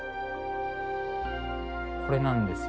これなんですよ。